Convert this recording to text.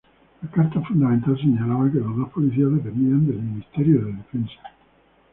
La Carta Fundamental señalaba que las dos policías dependían del Ministerio de Defensa.